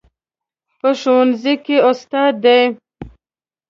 په ښوونځي کې استاد ده